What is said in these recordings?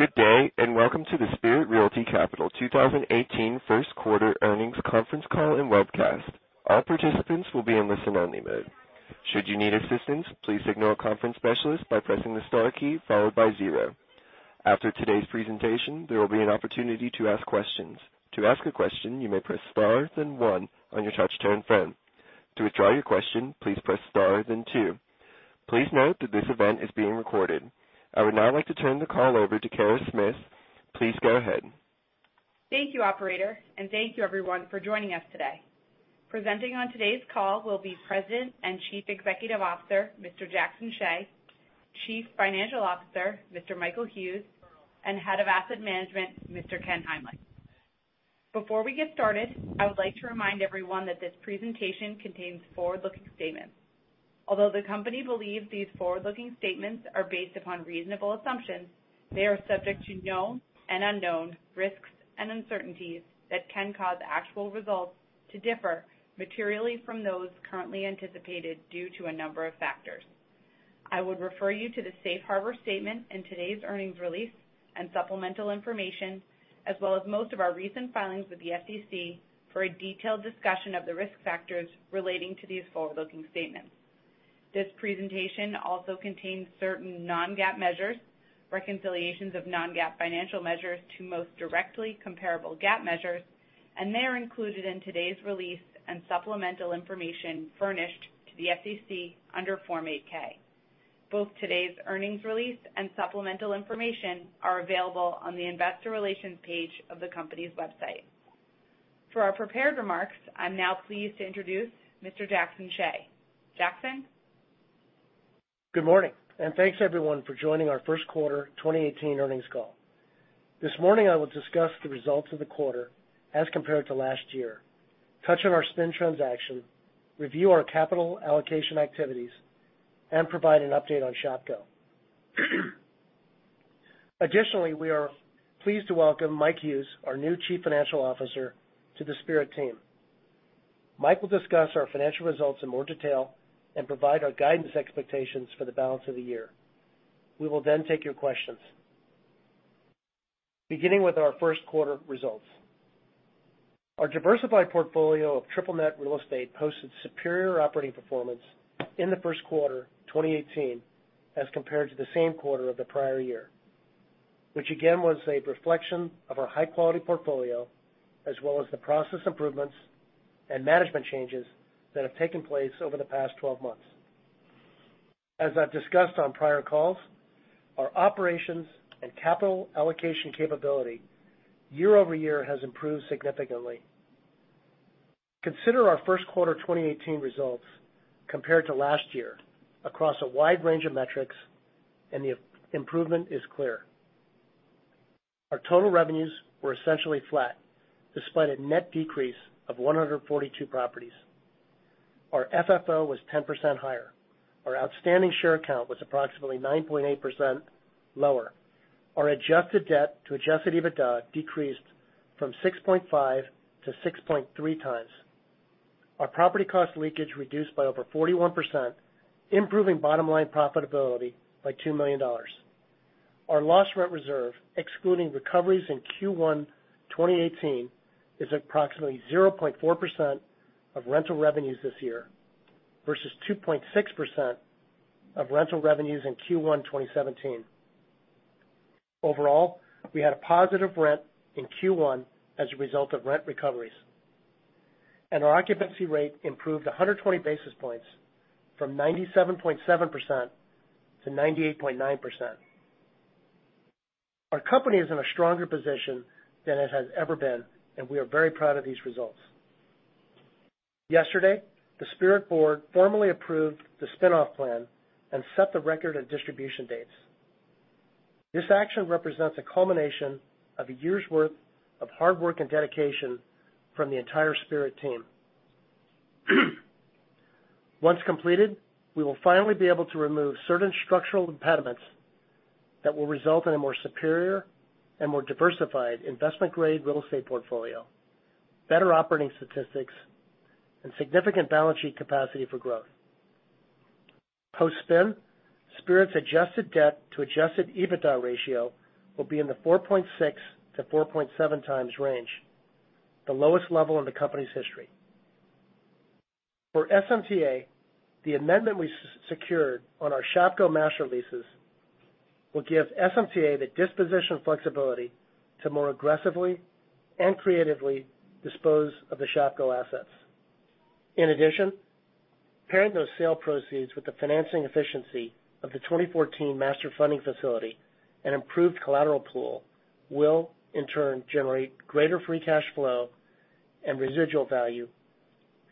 Good day, welcome to the Spirit Realty Capital 2018 first quarter earnings conference call and webcast. All participants will be in listen-only mode. Should you need assistance, please signal a conference specialist by pressing the star key followed by zero. After today's presentation, there will be an opportunity to ask questions. To ask a question, you may press star then one on your touch-tone phone. To withdraw your question, please press star then two. Please note that this event is being recorded. I would now like to turn the call over to Kara Smith. Please go ahead. Thank you, Operator, thank you everyone for joining us today. Presenting on today's call will be President and Chief Executive Officer, Mr. Jackson Hsieh, Chief Financial Officer, Mr. Michael Hughes, and Head of Asset Management, Mr. Ken Heimlich. Before we get started, I would like to remind everyone that this presentation contains forward-looking statements. Although the company believes these forward-looking statements are based upon reasonable assumptions, they are subject to known and unknown risks and uncertainties that can cause actual results to differ materially from those currently anticipated due to a number of factors. I would refer you to the safe harbor statement in today's earnings release and supplemental information, as well as most of our recent filings with the SEC for a detailed discussion of the risk factors relating to these forward-looking statements. This presentation also contains certain non-GAAP measures, reconciliations of non-GAAP financial measures to most directly comparable GAAP measures, and they are included in today's release and supplemental information furnished to the SEC under Form 8-K. Both today's earnings release and supplemental information are available on the investor relations page of the company's website. For our prepared remarks, I am now pleased to introduce Mr. Jackson Hsieh. Jackson? Good morning, thanks, everyone, for joining our first quarter 2018 earnings call. This morning, I will discuss the results of the quarter as compared to last year, touch on our spin transaction, review our capital allocation activities, and provide an update on Shopko. Additionally, we are pleased to welcome Mike Hughes, our new Chief Financial Officer, to the Spirit team. Mike will discuss our financial results in more detail and provide our guidance expectations for the balance of the year. We will then take your questions. Beginning with our first quarter results. Our diversified portfolio of triple net real estate posted superior operating performance in the first quarter 2018 as compared to the same quarter of the prior year, which again was a reflection of our high-quality portfolio, as well as the process improvements and management changes that have taken place over the past 12 months. As I've discussed on prior calls, our operations and capital allocation capability year-over-year has improved significantly. Consider our first quarter 2018 results compared to last year across a wide range of metrics, and the improvement is clear. Our total revenues were essentially flat despite a net decrease of 142 properties. Our FFO was 10% higher. Our outstanding share count was approximately 9.8% lower. Our adjusted debt to adjusted EBITDA decreased from 6.5 to 6.3 times. Our property cost leakage reduced by over 41%, improving bottom-line profitability by $2 million. Our loss rent reserve, excluding recoveries in Q1 2018, is approximately 0.4% of rental revenues this year versus 2.6% of rental revenues in Q1 2017. Overall, we had a positive rent in Q1 as a result of rent recoveries. Our occupancy rate improved 120 basis points from 97.7% to 98.9%. Our company is in a stronger position than it has ever been, and we are very proud of these results. Yesterday, the Spirit board formally approved the spin-off plan and set the record and distribution dates. This action represents a culmination of a year's worth of hard work and dedication from the entire Spirit team. Once completed, we will finally be able to remove certain structural impediments that will result in a more superior and more diversified investment-grade real estate portfolio, better operating statistics, and significant balance sheet capacity for growth. Post-spin, Spirit's adjusted debt to adjusted EBITDA ratio will be in the 4.6 to 4.7 times range, the lowest level in the company's history. For SMTA, the amendment we secured on our Shopko master leases will give SMTA the disposition flexibility to more aggressively and creatively dispose of the Shopko assets. In addition, pairing those sale proceeds with the financing efficiency of the 2014 master funding facility and improved collateral pool will in turn generate greater free cash flow and residual value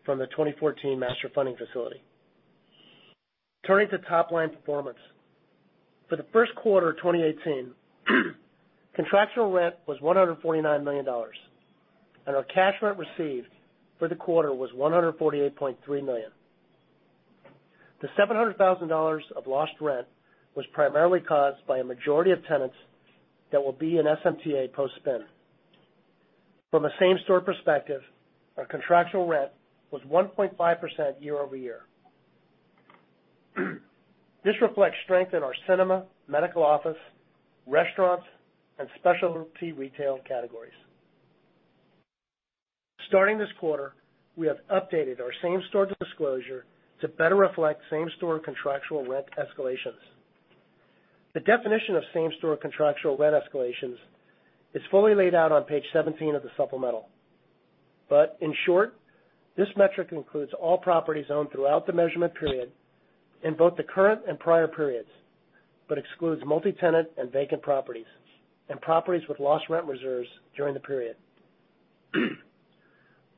from the 2014 master funding facility. Turning to top-line performance. For the first quarter of 2018, contractual rent was $149 million, and our cash rent received for the quarter was $148.3 million. The $700,000 of lost rent was primarily caused by a majority of tenants that will be in SMTA post-spin. From a same-store perspective, our contractual rent was 1.5% year-over-year. This reflects strength in our cinema, medical office, restaurants, and specialty retail categories. Starting this quarter, we have updated our same-store disclosure to better reflect same-store contractual rent escalations. The definition of same-store contractual rent escalations is fully laid out on page 17 of the supplemental. In short, this metric includes all properties owned throughout the measurement period in both the current and prior periods, but excludes multi-tenant and vacant properties, and properties with lost rent reserves during the period.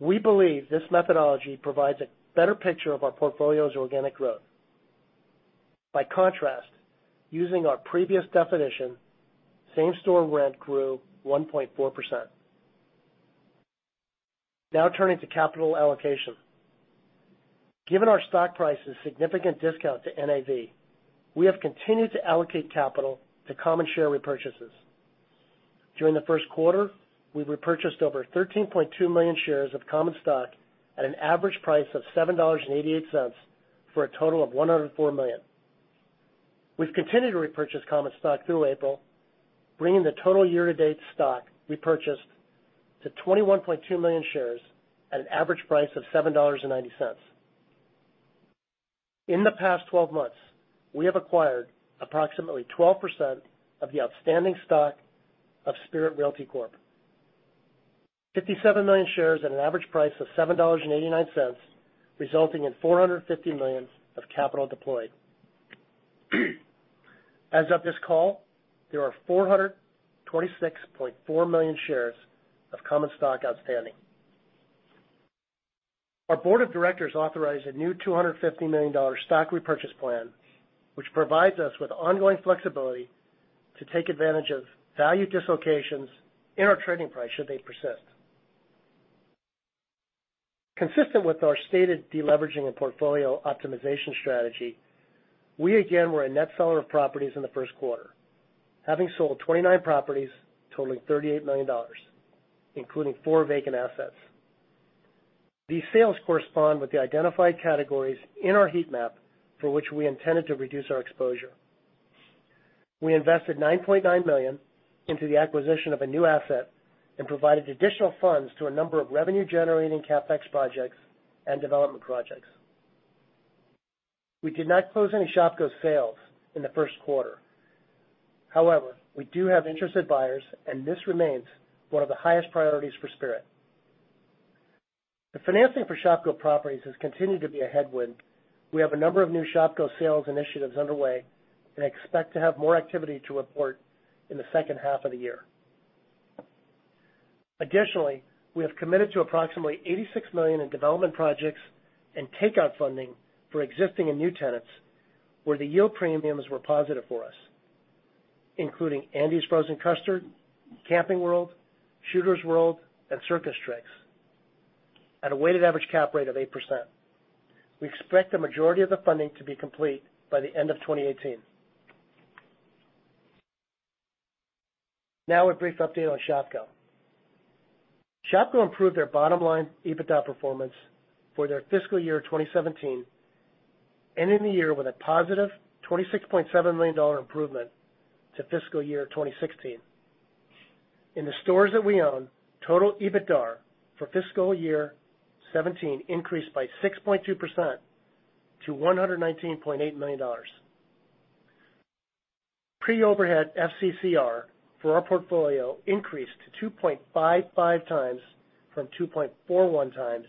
We believe this methodology provides a better picture of our portfolio's organic growth. By contrast, using our previous definition, same-store rent grew 1.4%. Turning to capital allocation. Given our stock price's significant discount to NAV, we have continued to allocate capital to common share repurchases. During the first quarter, we've repurchased over 13.2 million shares of common stock at an average price of $7.88 for a total of $104 million. We've continued to repurchase common stock through April, bringing the total year-to-date stock repurchased to 21.2 million shares at an average price of $7.90. In the past 12 months, we have acquired approximately 12% of the outstanding stock of Spirit Realty Corp. 57 million shares at an average price of $7.89, resulting in $450 million of capital deployed. As of this call, there are 426.4 million shares of common stock outstanding. Our board of directors authorized a new $250 million stock repurchase plan, which provides us with ongoing flexibility to take advantage of value dislocations in our trading price should they persist. Consistent with our stated de-leveraging and portfolio optimization strategy, we again were a net seller of properties in the first quarter, having sold 29 properties totaling $38 million, including four vacant assets. These sales correspond with the identified categories in our heat map for which we intended to reduce our exposure. We invested $9.9 million into the acquisition of a new asset and provided additional funds to a number of revenue-generating CapEx projects and development projects. We did not close any Shopko sales in the first quarter. However, we do have interested buyers, and this remains one of the highest priorities for Spirit. The financing for Shopko properties has continued to be a headwind. We have a number of new Shopko sales initiatives underway and expect to have more activity to report in the second half of the year. Additionally, we have committed to approximately $86 million in development projects and takeout funding for existing and new tenants where the yield premiums were positive for us, including Andy's Frozen Custard, Camping World, Shooters World, and CircusTrix, at a weighted average cap rate of 8%. We expect the majority of the funding to be complete by the end of 2018. Now a brief update on Shopko. Shopko improved their bottom-line EBITDA performance for their fiscal year 2017, ending the year with a positive $26.7 million improvement to fiscal year 2016. In the stores that we own, total EBITDA for fiscal year '17 increased by 6.2% to $119.8 million. Pre-overhead FCCR for our portfolio increased to 2.55 times from 2.41 times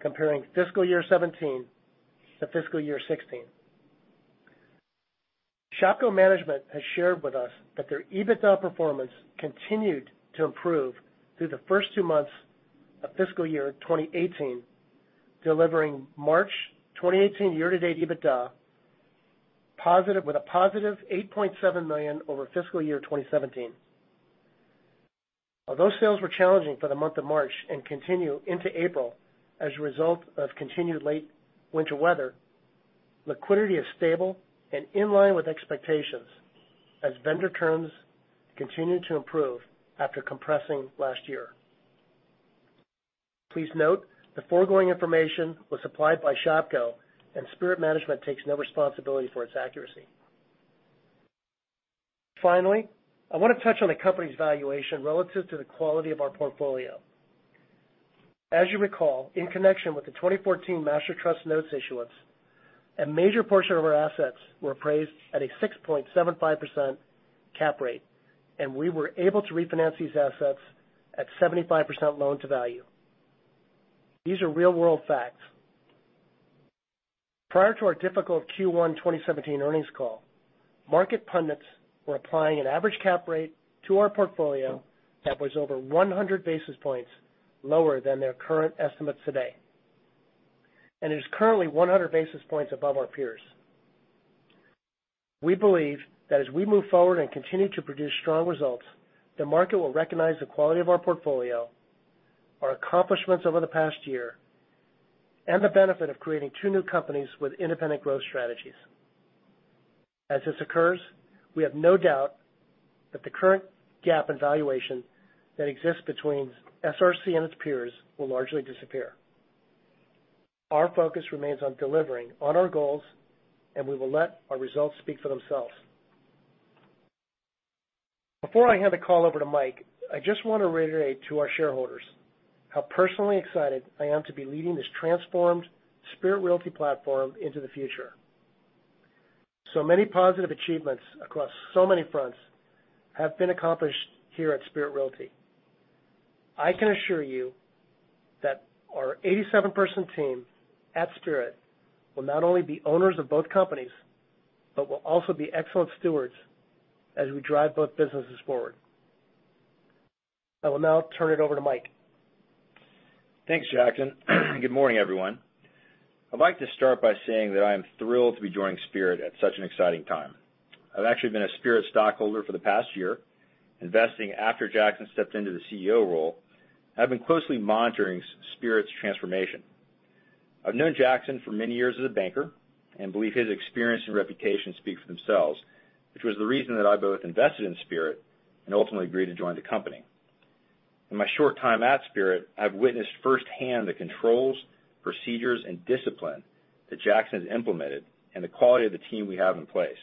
comparing fiscal year '17 to fiscal year '16. Shopko management has shared with us that their EBITDA performance continued to improve through the first two months of fiscal year 2018, delivering March 2018 year-to-date EBITDA with a positive $8.7 million over fiscal year 2017. Although sales were challenging for the month of March and continue into April as a result of continued late winter weather, liquidity is stable and in line with expectations as vendor terms continue to improve after compressing last year. Please note the foregoing information was supplied by Shopko, and Spirit management takes no responsibility for its accuracy. Finally, I want to touch on the company's valuation relative to the quality of our portfolio. As you recall, in connection with the 2014 Master Trust notes issuance, a major portion of our assets were appraised at a 6.75% cap rate, and we were able to refinance these assets at 75% loan-to-value. These are real-world facts. Prior to our difficult Q1 2017 earnings call, market pundits were applying an average cap rate to our portfolio that was over 100 basis points lower than their current estimates today, and is currently 100 basis points above our peers. We believe that as we move forward and continue to produce strong results, the market will recognize the quality of our portfolio, our accomplishments over the past year, and the benefit of creating two new companies with independent growth strategies. As this occurs, we have no doubt that the current gap in valuation that exists between SRC and its peers will largely disappear. Our focus remains on delivering on our goals, we will let our results speak for themselves. Before I hand the call over to Michael, I just want to reiterate to our shareholders how personally excited I am to be leading this transformed Spirit Realty platform into the future. Many positive achievements across so many fronts have been accomplished here at Spirit Realty. I can assure you that our 87-person team at Spirit will not only be owners of both companies, but will also be excellent stewards as we drive both businesses forward. I will now turn it over to Michael. Thanks, Jackson. Good morning, everyone. I'd like to start by saying that I am thrilled to be joining Spirit at such an exciting time. I've actually been a Spirit stockholder for the past year, investing after Jackson stepped into the CEO role. I've been closely monitoring Spirit's transformation. I've known Jackson for many years as a banker and believe his experience and reputation speak for themselves, which was the reason that I both invested in Spirit and ultimately agreed to join the company. In my short time at Spirit, I've witnessed firsthand the controls, procedures, and discipline that Jackson has implemented and the quality of the team we have in place.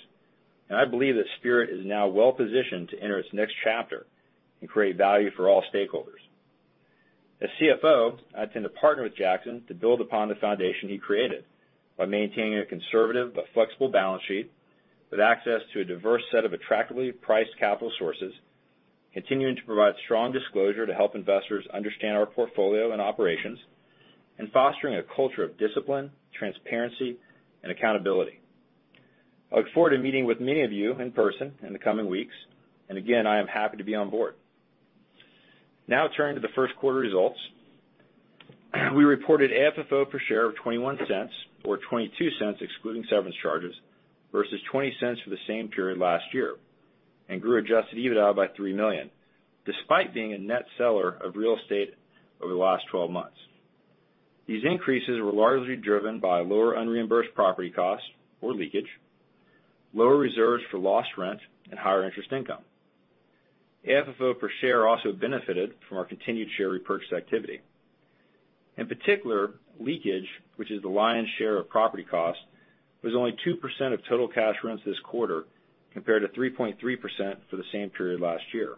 I believe that Spirit is now well-positioned to enter its next chapter and create value for all stakeholders. As CFO, I intend to partner with Jackson to build upon the foundation he created by maintaining a conservative but flexible balance sheet with access to a diverse set of attractively priced capital sources, continuing to provide strong disclosure to help investors understand our portfolio and operations, and fostering a culture of discipline, transparency, and accountability. I look forward to meeting with many of you in person in the coming weeks, and again, I am happy to be on board. Now turning to the first quarter results. We reported AFFO per share of $0.21 or $0.22 excluding severance charges versus $0.20 for the same period last year, and grew adjusted EBITDA by $3 million, despite being a net seller of real estate over the last 12 months. These increases were largely driven by lower unreimbursed property costs or leakage, lower reserves for lost rent, and higher interest income. AFFO per share also benefited from our continued share repurchase activity. In particular, leakage, which is the lion's share of property cost, was only 2% of total cash rents this quarter compared to 3.3% for the same period last year.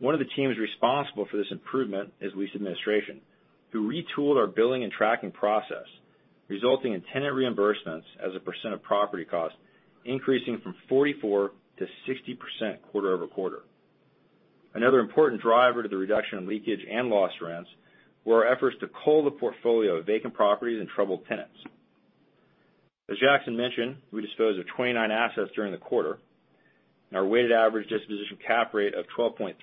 One of the teams responsible for this improvement is lease administration, who retooled our billing and tracking process, resulting in tenant reimbursements as a percent of property cost increasing from 44% to 60% quarter-over-quarter. Another important driver to the reduction in leakage and lost rents were our efforts to cull the portfolio of vacant properties and troubled tenants. As Jackson mentioned, we disposed of 29 assets during the quarter. Our weighted average disposition cap rate of 12.3%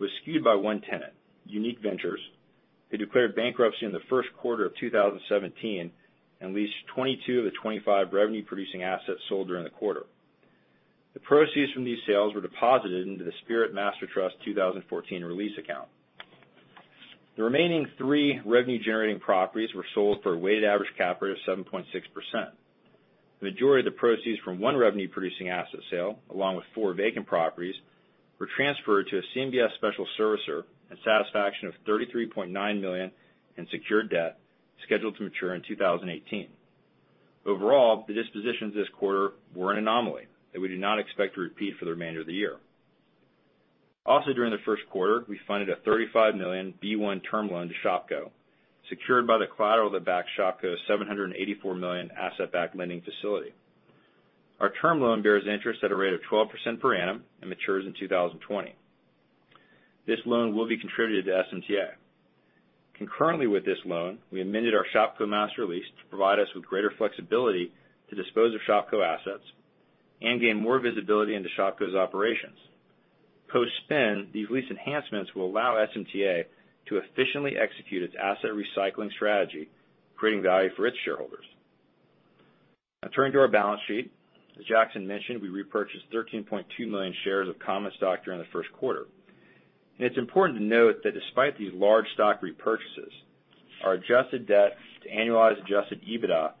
was skewed by one tenant, Unique Ventures, who declared bankruptcy in the first quarter of 2017 and leased 22 of the 25 revenue-producing assets sold during the quarter. The proceeds from these sales were deposited into the Spirit Master Trust 2014 release account. The remaining three revenue-generating properties were sold for a weighted average cap rate of 7.6%. The majority of the proceeds from one revenue-producing asset sale, along with four vacant properties, were transferred to a CMBS special servicer in satisfaction of $33.9 million in secured debt scheduled to mature in 2018. Overall, the dispositions this quarter were an anomaly that we do not expect to repeat for the remainder of the year. During the first quarter, we funded a $35 million B-1 term loan to Shopko, secured by the collateral that backs Shopko's $784 million asset-backed lending facility. Our term loan bears interest at a rate of 12% per annum and matures in 2020. This loan will be contributed to SMTA. Concurrently with this loan, we amended our Shopko master lease to provide us with greater flexibility to dispose of Shopko assets and gain more visibility into Shopko's operations. Post-spin, these lease enhancements will allow SMTA to efficiently execute its asset recycling strategy, creating value for its shareholders. Now turning to our balance sheet. As Jackson mentioned, we repurchased 13.2 million shares of common stock during the first quarter. It's important to note that despite these large stock repurchases, our adjusted debt to annualized adjusted EBITDA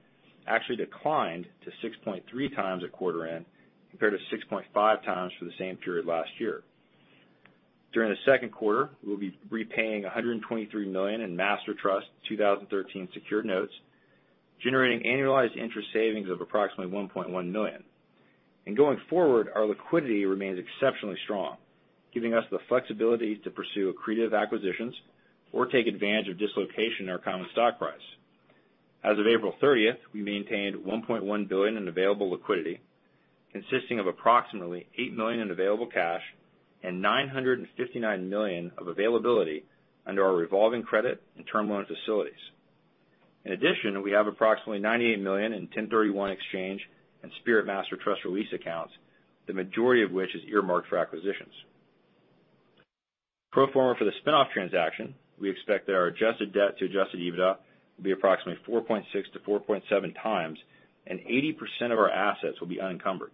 actually declined to 6.3x at quarter end compared to 6.5x for the same period last year. During the second quarter, we'll be repaying $123 million in Spirit Master Trust 2013 secured notes, generating annualized interest savings of approximately $1.1 million. Going forward, our liquidity remains exceptionally strong, giving us the flexibility to pursue accretive acquisitions or take advantage of dislocation in our common stock price. As of April 30th, we maintained $1.1 billion in available liquidity, consisting of approximately $8 million in available cash and $959 million of availability under our revolving credit and term loan facilities. In addition, we have approximately $98 million in 1031 exchange and Spirit Master Trust release accounts, the majority of which is earmarked for acquisitions. Pro forma for the spin-off transaction, we expect that our adjusted debt to adjusted EBITDA will be approximately 4.6x-4.7x, and 80% of our assets will be unencumbered.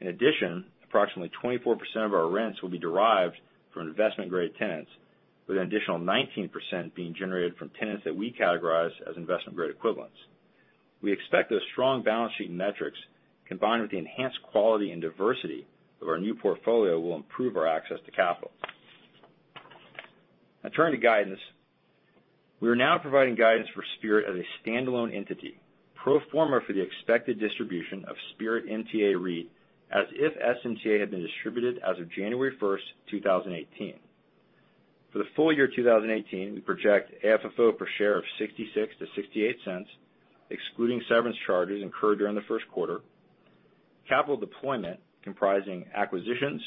In addition, approximately 24% of our rents will be derived from investment-grade tenants, with an additional 19% being generated from tenants that we categorize as investment-grade equivalents. We expect those strong balance sheet metrics, combined with the enhanced quality and diversity of our new portfolio, will improve our access to capital. Now turning to guidance. We are now providing guidance for Spirit as a standalone entity, pro forma for the expected distribution of Spirit MTA REIT, as if SMTA had been distributed as of January 1st, 2018. For the full year 2018, we project AFFO per share of $0.66-$0.68, excluding severance charges incurred during the first quarter. Capital deployment comprising acquisitions,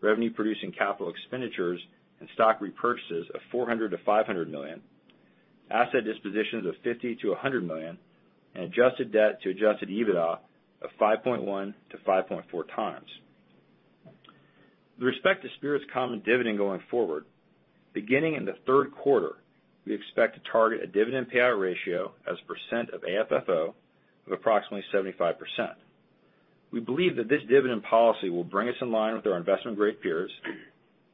revenue-producing capital expenditures, and stock repurchases of $400 million-$500 million. Asset dispositions of $50 million-$100 million, and adjusted debt to adjusted EBITDA of 5.1-5.4 times. With respect to Spirit's common dividend going forward, beginning in the third quarter, we expect to target a dividend payout ratio as a percent of AFFO of approximately 75%. We believe that this dividend policy will bring us in line with our investment-grade peers,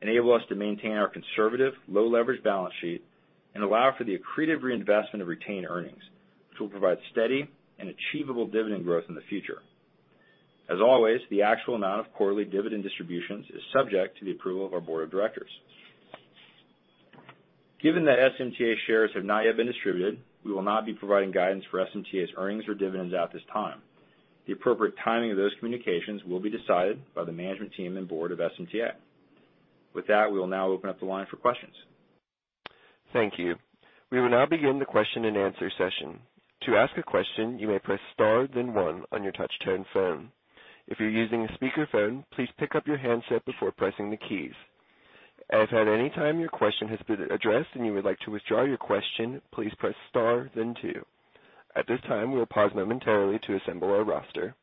enable us to maintain our conservative low-leverage balance sheet, and allow for the accretive reinvestment of retained earnings, which will provide steady and achievable dividend growth in the future. As always, the actual amount of quarterly dividend distributions is subject to the approval of our board of directors. Given that SMTA shares have not yet been distributed, we will not be providing guidance for SMTA's earnings or dividends at this time. The appropriate timing of those communications will be decided by the management team and board of SMTA. We will now open up the line for questions. Thank you. We will now begin the question-and-answer session. To ask a question, you may press star then one on your touch-tone phone. If you're using a speakerphone, please pick up your handset before pressing the keys. If at any time your question has been addressed and you would like to withdraw your question, please press star then two. At this time, we will pause momentarily to assemble our roster.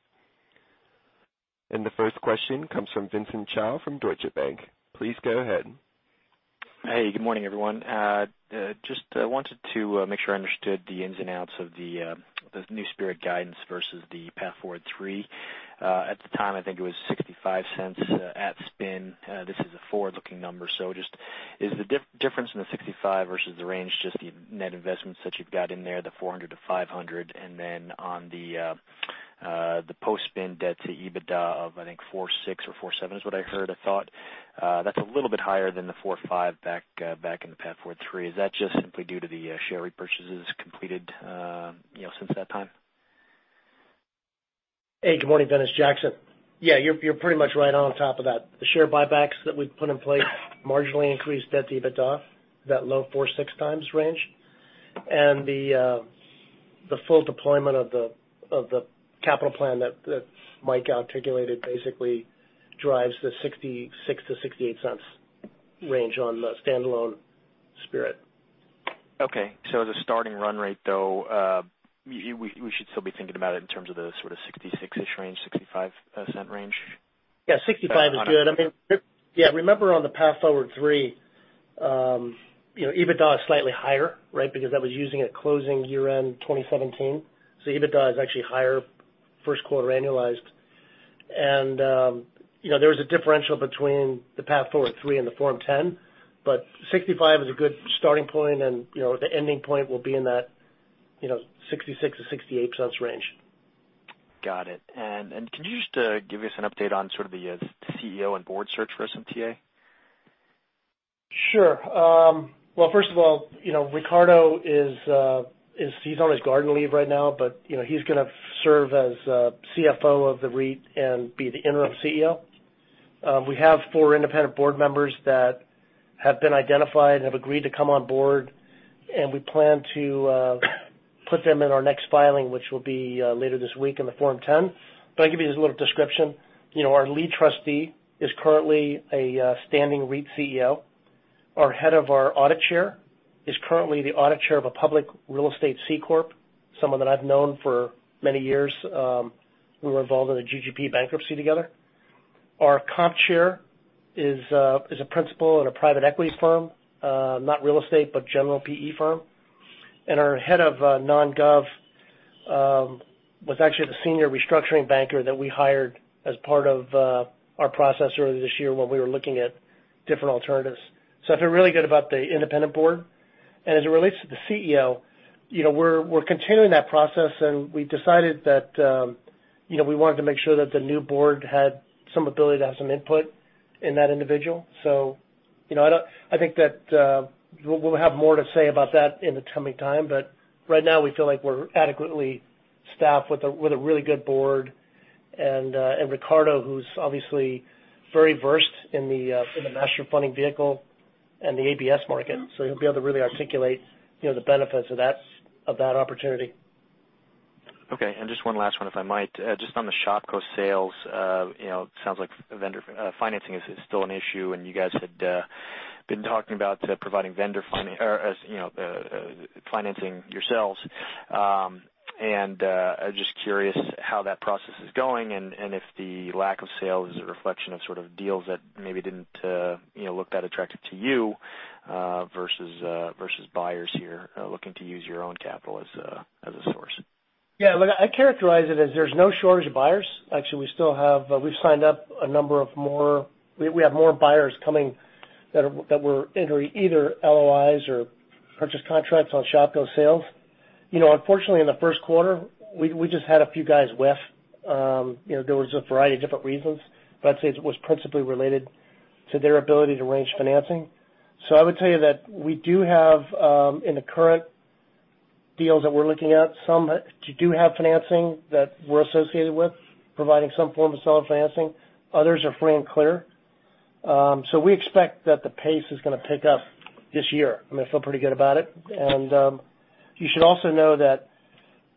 The first question comes from Vincent Chao from Deutsche Bank. Please go ahead. Hey, good morning, everyone. Just wanted to make sure I understood the ins and outs of the new Spirit guidance versus the Path Forward 3. At the time, I think it was $0.65 at spin. This is a forward-looking number, so just is the difference in the $0.65 versus the range, just the net investments that you've got in there, the 400-500, and then on the post-spin debt-to-EBITDA of, I think 4.6 or 4.7 is what I heard. I thought that's a little bit higher than the 4.5 back in the Path Forward 3. Is that just simply due to the share repurchases completed since that time? Hey, good morning, Vincent. Jackson. You're pretty much right on top of that. The share buybacks that we've put in place marginally increased debt-to-EBITDA, that low 4.6 times range. The full deployment of the capital plan that Mike articulated basically drives the $0.66-$0.68 range on the standalone Spirit. The starting run rate, though, we should still be thinking about it in terms of the sort of $0.66-ish range, 65% range? Yeah, $0.65 is good. Yeah, remember on the Path Forward 3, EBITDA is slightly higher, right? Because that was using a closing year-end 2017. EBITDA is actually higher first quarter annualized. There was a differential between the Path Forward 3 and the Form 10, $0.65 is a good starting point, and the ending point will be in that $0.66-$0.68 range. Got it. Could you just give us an update on sort of the CEO and board search for SMTA? Well, first of all, Ricardo is on his garden leave right now, but he's going to serve as CFO of the REIT and be the interim CEO. We have four independent board members that have been identified and have agreed to come on board, and we plan to put them in our next filing, which will be later this week in the Form 10. I'll give you just a little description. Our lead trustee is currently a standing REIT CEO. Our head of our audit chair is currently the audit chair of a public real estate C-corp, someone that I've known for many years. We were involved in a GGP bankruptcy together. Our comp chair is a principal at a private equity firm. Not real estate, but general PE firm. Our head of non-gov was actually the senior restructuring banker that we hired as part of our process earlier this year when we were looking at different alternatives. I feel really good about the independent board. As it relates to the CEO, we're continuing that process, and we decided that we wanted to make sure that the new board had some ability to have some input in that individual. I think that we'll have more to say about that in the coming time, but right now we feel like we're adequately staffed with a really good board and Ricardo, who's obviously very versed in the master funding vehicle and the ABS market, so he'll be able to really articulate the benefits of that opportunity. Just one last one, if I might. Just on the Shopko sales, it sounds like vendor financing is still an issue, and you guys had been talking about providing vendor funding or financing yourselves. Just curious how that process is going and if the lack of sales is a reflection of sort of deals that maybe didn't look that attractive to you versus buyers here looking to use your own capital as a source. I characterize it as there's no shortage of buyers. Actually, we've signed up a number of more. We have more buyers coming that were entering either LOIs or purchase contracts on Shopko sales. Unfortunately, in the first quarter, we just had a few guys whiff. There was a variety of different reasons, but I'd say it was principally related to their ability to arrange financing. I would tell you that we do have, in the current deals that we're looking at, some that do have financing that we're associated with providing some form of seller financing. Others are free and clear. We expect that the pace is going to pick up this year. I feel pretty good about it. You should also know that,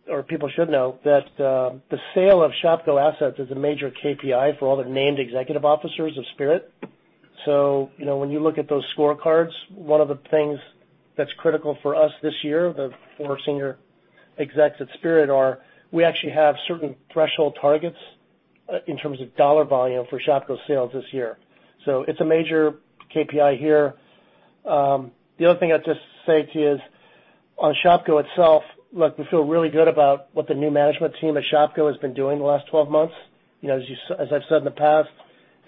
or people should know that, the sale of Shopko assets is a major KPI for all the named executive officers of Spirit. When you look at those scorecards, one of the things that's critical for us this year, for senior execs at Spirit, we actually have certain threshold targets in terms of dollar volume for Shopko sales this year. It's a major KPI here. The other thing I'd just say to you is, on Shopko itself, look, we feel really good about what the new management team at Shopko has been doing the last 12 months. As I've said in the past,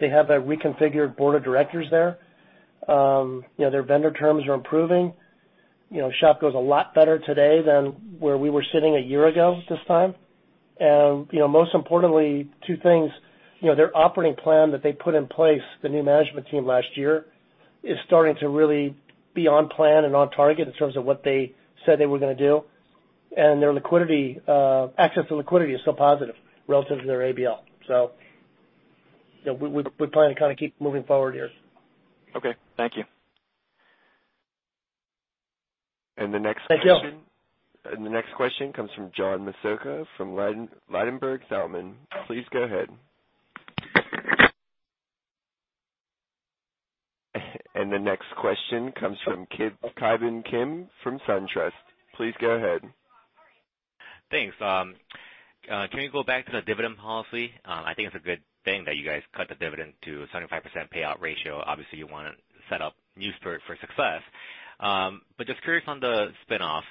they have a reconfigured board of directors there. Their vendor terms are improving. Shopko's a lot better today than where we were sitting a year ago at this time. Most importantly, 2 things. Their operating plan that they put in place, the new management team last year, is starting to really be on plan and on target in terms of what they said they were going to do. Their access to liquidity is still positive relative to their ABL. We plan to kind of keep moving forward here. Okay. Thank you. Thank you. The next question comes from John Massocca from Ladenburg Thalmann. Please go ahead. The next question comes from Ki Bin Kim from SunTrust. Please go ahead. Thanks. Can we go back to the dividend policy? I think it's a good thing that you guys cut the dividend to 75% payout ratio. Obviously, you want to set up new Spirit for success. Just curious on the spinoff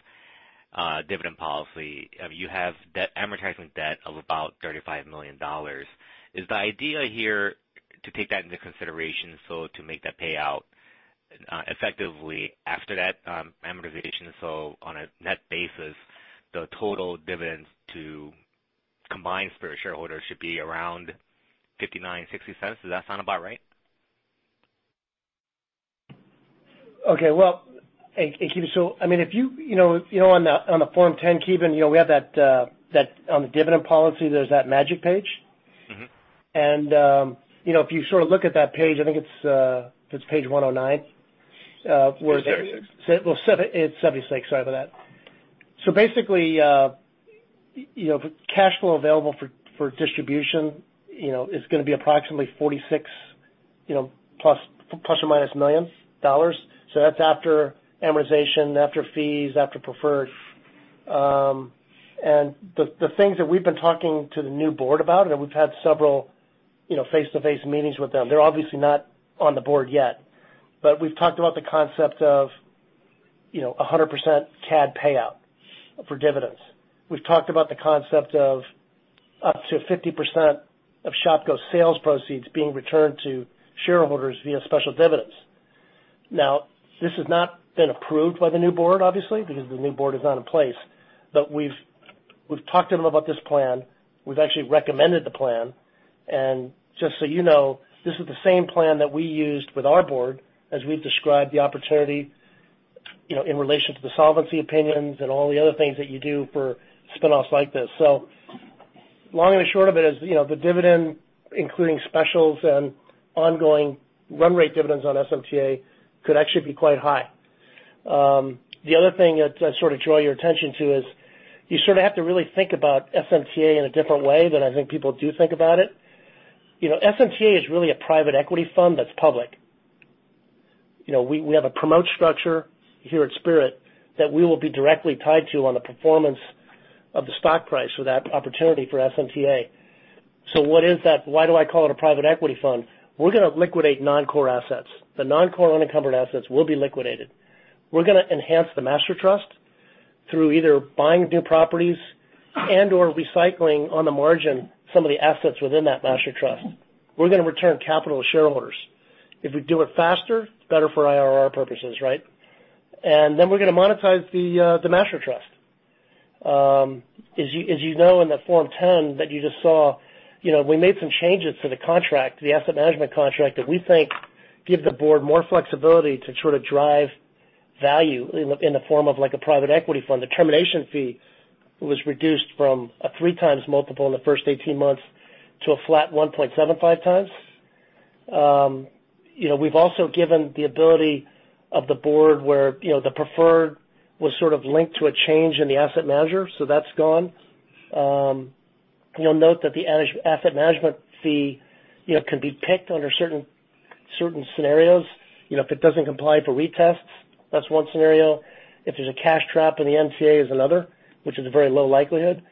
dividend policy. You have debt, amortizing debt of about $35 million. Is the idea here to take that into consideration, to make that payout effectively after that amortization? On a net basis, the total dividends to combined Spirit shareholders should be around $0.59, $0.60. Does that sound about right? Okay. Well, thank you. On the Form 10, Ki Bin, we have that on the dividend policy, there's that magic page. If you sort of look at that page, I think it's page 109. It's 76. Well, it's 76. Sorry about that. Basically, cash flow available for distribution is going to be approximately ±$46 million. That's after amortization, after fees, after preferred. The things that we've been talking to the new board about, and we've had several face-to-face meetings with them. They're obviously not on the board yet. We've talked about the concept of 100% CAD payout for dividends. We've talked about the concept of up to 50% of Shopko's sales proceeds being returned to shareholders via special dividends. This has not been approved by the new board, obviously, because the new board is not in place. We've talked to them about this plan. We've actually recommended the plan. Just so you know, this is the same plan that we used with our board as we've described the opportunity, in relation to the solvency opinions and all the other things that you do for spinoffs like this. Long and short of it is, the dividend, including specials and ongoing run rate dividends on SMTA, could actually be quite high. The other thing that I sort of draw your attention to is you sort of have to really think about SMTA in a different way than I think people do think about it. SMTA is really a private equity fund that's public. We have a promote structure here at Spirit that we will be directly tied to on the performance of the stock price for that opportunity for SMTA. What is that? Why do I call it a private equity fund? We're going to liquidate non-core assets. The non-core unencumbered assets will be liquidated. We're going to enhance the master trust through either buying new properties and/or recycling on the margin some of the assets within that master trust. We're going to return capital to shareholders. If we do it faster, it's better for IRR purposes, right? Then we're going to monetize the master trust. As you know in the Form 10 that you just saw, we made some changes to the contract, the asset management contract, that we think give the board more flexibility to sort of drive value in the form of a private equity fund. The termination fee was reduced from a 3x multiple in the first 18 months to a flat 1.75x. We've also given the ability of the board where the preferred was sort of linked to a change in the asset manager, that's gone. You'll note that the asset management fee can be picked under certain scenarios. If it doesn't comply for retests, that's one scenario. If there's a cash trap in the MCA is another, which is a very low likelihood.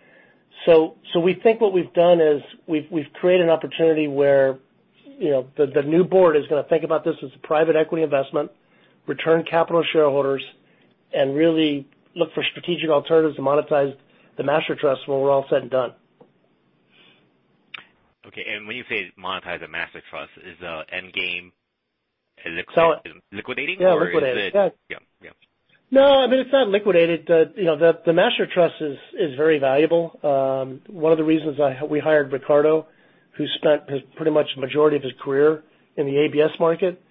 We think what we've done is we've created an opportunity where the new board is going to think about this as a private equity investment, return capital to shareholders, and really look for strategic alternatives to monetize the master trust when we're all said and done. Okay. When you say monetize the master trust, is the end game liquidating? Yeah, liquidated. Yeah. No, it's not liquidated. The master trust is very valuable. One of the reasons we hired Ricardo, who spent pretty much the majority of his career in the ABS market,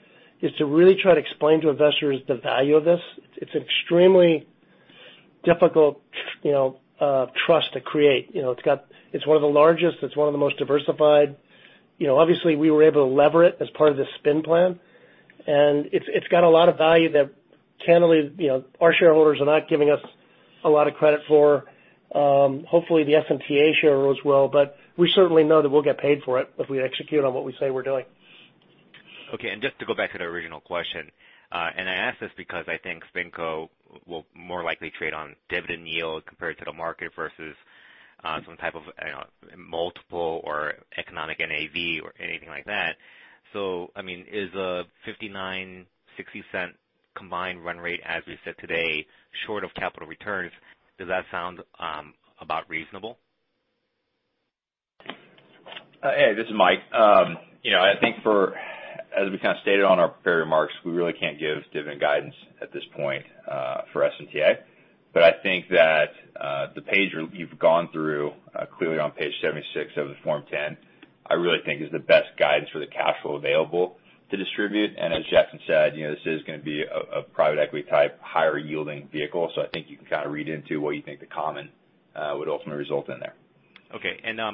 is to really try to explain to investors the value of this. It's extremely difficult trust to create. It's one of the largest, it's one of the most diversified. Obviously, we were able to lever it as part of the spin plan, and it's got a lot of value that candidly, our shareholders are not giving us a lot of credit for. Hopefully, the SMTA shareholders will. We certainly know that we'll get paid for it if we execute on what we say we're doing. Just to go back to the original question, I ask this because I think FinCo will more likely trade on dividend yield compared to the market versus some type of multiple or economic NAV or anything like that. Is a $0.59, $0.60 combined run rate, as we said today, short of capital returns, does that sound about reasonable? Hey, this is Mike. I think as we kind of stated on our prepared remarks, we really can't give dividend guidance at this point for SMTA. I think that the page you've gone through, clearly on page 76 of the Form 10, I really think is the best guidance for the cash flow available to distribute. As Jackson said, this is going to be a private equity type, higher yielding vehicle. I think you can kind of read into what you think the common would ultimately result in there.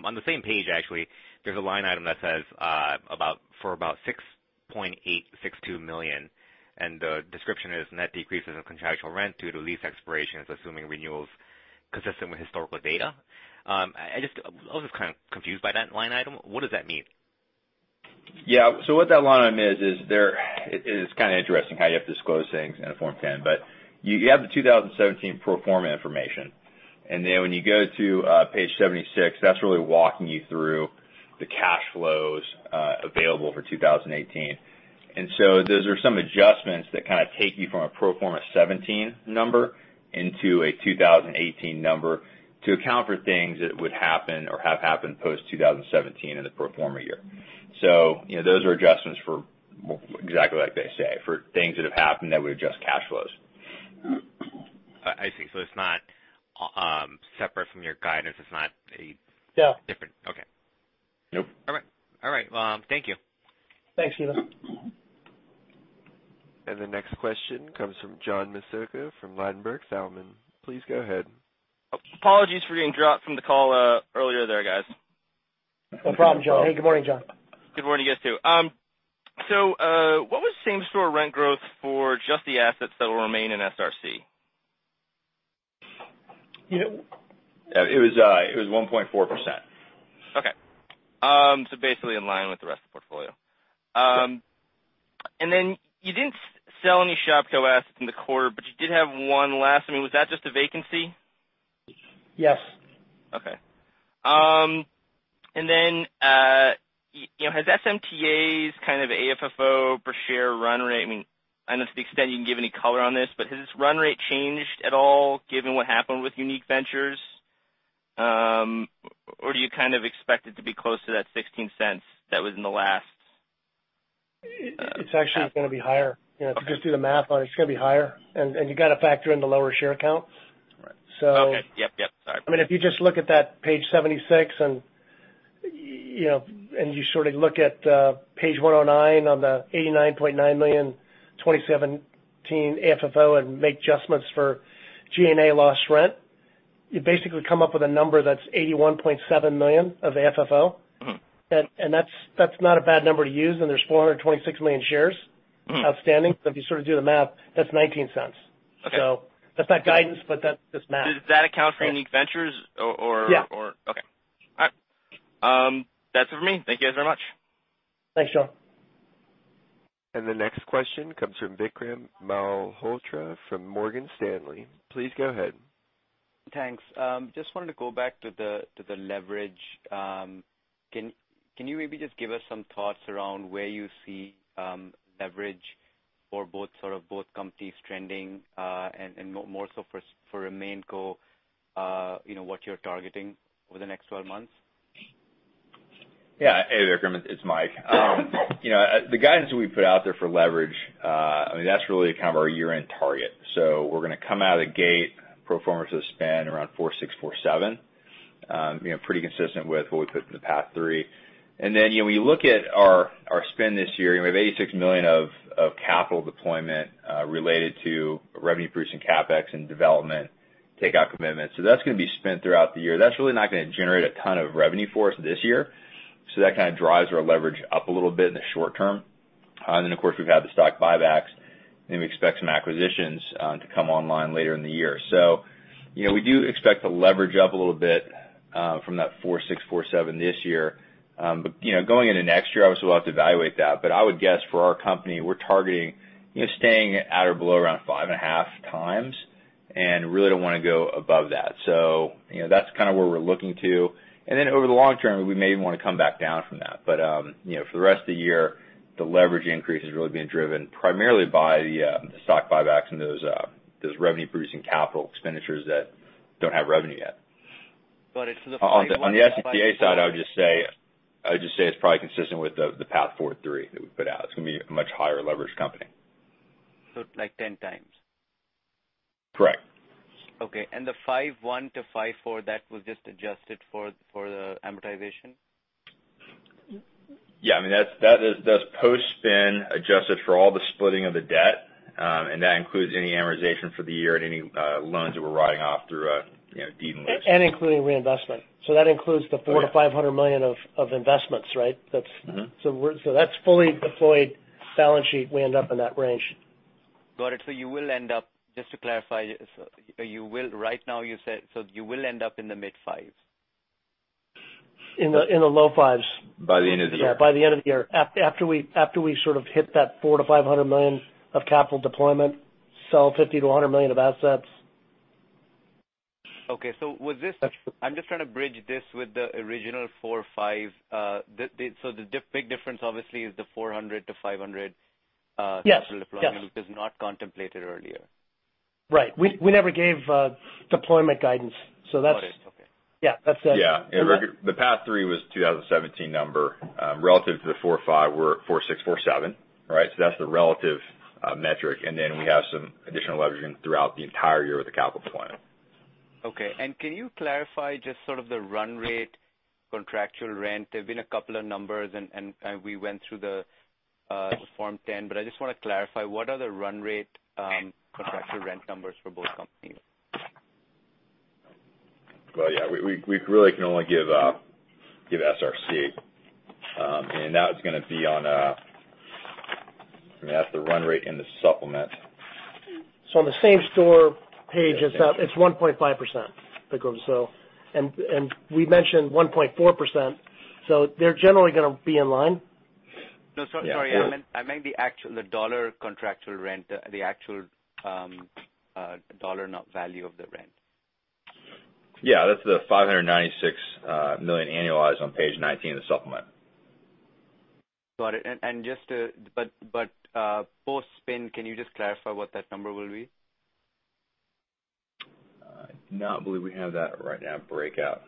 On the same page, actually, there's a line item that says for about $6.862 million, the description is net decreases in contractual rent due to lease expirations, assuming renewals consistent with historical data. I was just kind of confused by that line item. What does that mean? Yeah. What that line item is, it is kind of interesting how you have to disclose things in a Form 10-K, you have the 2017 pro forma information, when you go to page 76, that's really walking you through the cash flows available for 2018. Those are some adjustments that kind of take you from a pro forma 2017 number into a 2018 number to account for things that would happen or have happened post-2017 in the pro forma year. Those are adjustments for exactly like they say, for things that have happened that would adjust cash flows. I see. It's not separate from your guidance. Yeah. Okay. Yep. All right. Thank you. Thanks, Steven. The next question comes from John Massocca from Ladenburg Thalmann. Please go ahead. Apologies for getting dropped from the call earlier there, guys. No problem, John. Hey, good morning, John. Good morning to you guys, too. What was same-store rent growth for just the assets that will remain in SRC? It was 1.4%. Basically in line with the rest of the portfolio. Yeah. You didn't sell any Shopko assets in the quarter, but you did have one last. Was that just a vacancy? Yes. Has SMTA's kind of AFFO per share run rate, I don't know to the extent you can give any color on this, but has this run rate changed at all given what happened with Unique Ventures? Or do you kind of expect it to be close to that $0.16? It's actually going to be higher. Okay. If you just do the math on it's going to be higher. You got to factor in the lower share count. Right. Okay. Yep. Sorry. If you just look at that page 76, and you sort of look at page 109 on the $89.9 million 2017 AFFO and make adjustments for G&A lost rent, you basically come up with a number that's $81.7 million of AFFO. That's not a bad number to use, and there's 426 million shares. outstanding. If you sort of do the math, that's $0.19. Okay. That's not guidance, but that's just math. Does that account for Unique Ventures? Yeah. Okay. All right. That's it for me. Thank you guys very much. Thanks, John. The next question comes from Vikram Malhotra from Morgan Stanley. Please go ahead. Thanks. Just wanted to go back to the leverage. Can you maybe just give us some thoughts around where you see leverage for both companies trending, and more so for RemainCo, what you're targeting over the next 12 months? Yeah. Hey there, Vikram, it's Mike. The guidance that we put out there for leverage, that's really kind of our year-end target. We're going to come out of the gate, pro forma to the spin around 4.6, 4.7. Pretty consistent with what we put in the past three. When you look at our spin this year, we have $86 million of capital deployment related to revenue producing CapEx and development takeout commitments. That's going to be spent throughout the year. That's really not going to generate a ton of revenue for us this year. That kind of drives our leverage up a little bit in the short term. Of course, we've had the stock buybacks, and we expect some acquisitions to come online later in the year. We do expect to leverage up a little bit from that 4.6, 4.7 this year. Going into next year, obviously we'll have to evaluate that, but I would guess for our company, we're targeting staying at or below around 5.5 times, and really don't want to go above that. That's kind of where we're looking to. Over the long term, we may even want to come back down from that. For the rest of the year, the leverage increase has really been driven primarily by the stock buybacks and those revenue-producing capital expenditures that don't have revenue yet. It's On the SMTA side, I would just say it's probably consistent with the Path Forward 3 that we put out. It's going to be a much higher leverage company. Like 10 times? Correct. The 5.1 to 5.4, that was just adjusted for the amortization? Yeah, I mean, that's post-spin adjusted for all the splitting of the debt. That includes any amortization for the year and any loans that we're writing off through deed-in-lieu. Including reinvestment. Okay $400 million-$500 million of investments, right? that's fully deployed balance sheet, we end up in that range. Got it. You will end up, just to clarify, right now you said, so you will end up in the mid fives? In the low fives. By the end of the year. By the end of the year. After we sort of hit that $400 million-$500 million of capital deployment, sell $50 million-$100 million of assets. I'm just trying to bridge this with the original four five. The big difference obviously is the $400-$500- Yes capital deployment, which is not contemplated earlier. We never gave deployment guidance. That's- Got it. Okay. Yeah. Yeah. The Path Forward 3 was 2017 number. Relative to the 4.5, we're at 4.6, 4.7. Right. That's the relative metric, and then we have some additional leveraging throughout the entire year with the capital deployment. Okay. Can you clarify just sort of the run rate contractual rent? There's been a couple of numbers and, we went through the Form 10, but I just want to clarify, what are the run rate contractual rent numbers for both companies? Yeah, we really can only give SRC. That's the run rate in the supplement. On the same store page, it's 1.5%, Vikram. We mentioned 1.4%, so they're generally gonna be in line. No, sorry. I meant the dollar contractual rent, the actual dollar value of the rent. Yeah, that's the $596 million annualized on page 19 of the supplement. Got it. Post-spin, can you just clarify what that number will be? I do not believe we have that right now, breakout.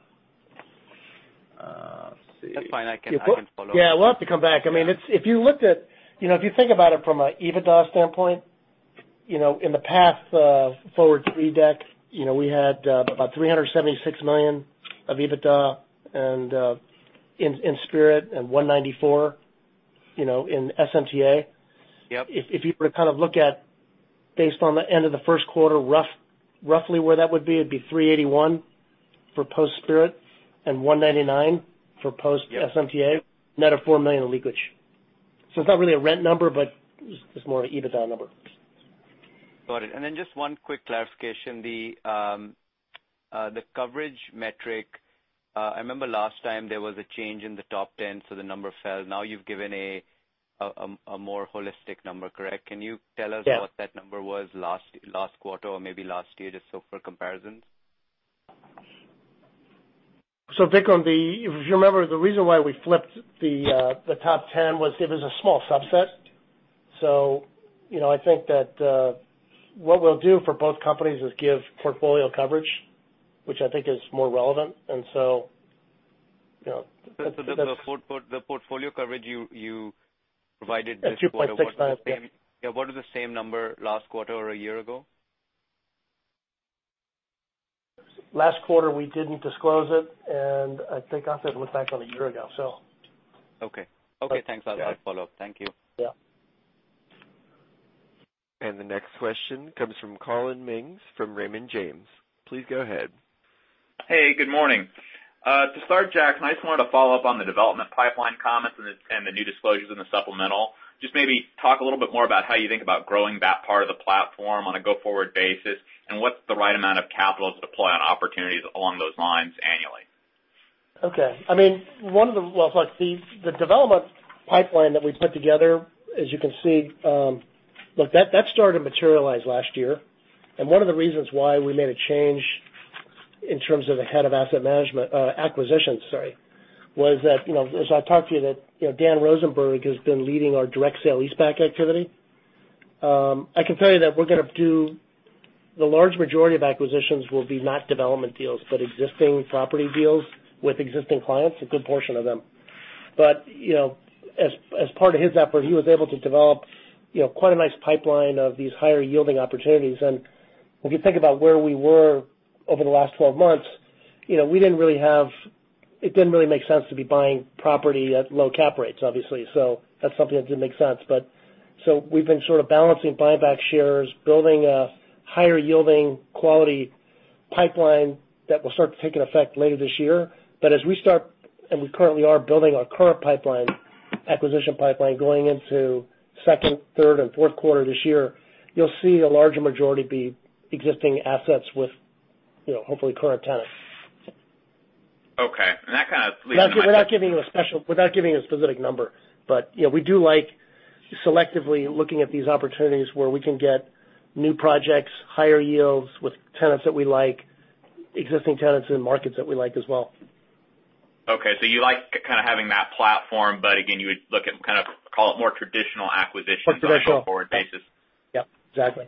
Let's see. That's fine. I can follow up. We'll have to come back. If you think about it from a EBITDA standpoint, in the Path Forward 3 deck, we had about $376 million of EBITDA and in Spirit and $194 in SMTA. Yep. If you were to kind of look at based on the end of the first quarter, roughly where that would be, it'd be 381 for post-Spirit and 199 for post-SMTA. Net of $4 million in leakage. It's not really a rent number, but it's more an EBITDA number. Got it. Just one quick clarification, the coverage metric, I remember last time there was a change in the top 10, so the number fell. Now you've given a more holistic number, correct? Can you tell us- Yeah what that number was last quarter or maybe last year just so for comparisons? Vikram, if you remember, the reason why we flipped the top 10 was it was a small subset. I think that what we'll do for both companies is give portfolio coverage, which I think is more relevant. That's- The portfolio coverage you provided this quarter? At 2.69, yeah. What is the same number last quarter or a year ago? Last quarter, we didn't disclose it, and I think I said look back on a year ago. Okay. Thanks. I'll follow up. Thank you. Yeah. The next question comes from Collin Mings from Raymond James. Please go ahead. Hey, good morning. To start, Jack, I just wanted to follow up on the development pipeline comments and the new disclosures in the supplemental. Just maybe talk a little bit more about how you think about growing that part of the platform on a go-forward basis, and what's the right amount of capital to deploy on opportunities along those lines annually? Okay. Well, look, the development pipeline that we put together, as you can see, that started to materialize last year. One of the reasons why we made a change in terms of the head of asset management, acquisitions, sorry, was that, as I talked to you, that Daniel Rosenberg has been leading our direct sale leaseback activity. I can tell you that we're gonna do the large majority of acquisitions will be not development deals, but existing property deals with existing clients, a good portion of them. As part of his effort, he was able to develop quite a nice pipeline of these higher yielding opportunities. If you think about where we were over the last 12 months, it didn't really make sense to be buying property at low cap rates, obviously. That's something that didn't make sense. We've been sort of balancing buyback shares, building a higher yielding quality pipeline that will start to take an effect later this year. As we start, and we currently are building our current pipeline, acquisition pipeline, going into second, third, and fourth quarter this year, you'll see a larger majority be existing assets with hopefully current tenant. Okay. That kind of leads me- Without giving a specific number. We do like selectively looking at these opportunities where we can get new projects, higher yields with tenants that we like, existing tenants in markets that we like as well. Okay. You like kind of having that platform, but again, you would look at kind of call it more traditional acquisitions- Traditional on an forward basis. Yep, exactly.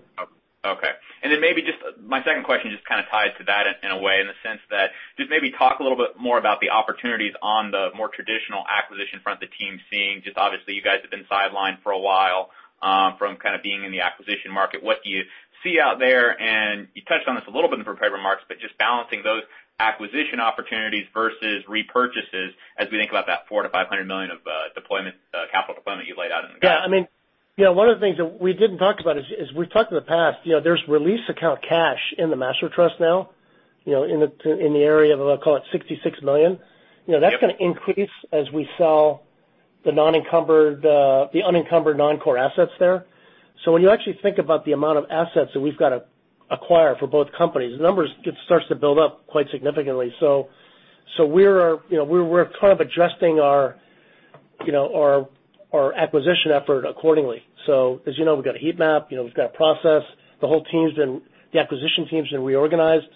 Okay. Then maybe just my second question, just kind of tied to that in a way, in the sense that just maybe talk a little bit more about the opportunities on the more traditional acquisition front the team's seeing, just obviously you guys have been sidelined for a while, from kind of being in the acquisition market. What do you see out there? And you touched on this a little bit in the prepared remarks, but just balancing those acquisition opportunities versus repurchases as we think about that $400 million-$500 million of capital deployment you laid out in the guide. Yeah. One of the things that we didn't talk about is, we've talked in the past, there's release account cash in the Master Trust now, in the area of, I'll call it, $66 million. Yeah. That's going to increase as we sell the unencumbered non-core assets there. When you actually think about the amount of assets that we've got to acquire for both companies, the numbers, it starts to build up quite significantly. We're kind of adjusting our acquisition effort accordingly. As you know, we've got a heat map, we've got a process. The acquisition teams have reorganized,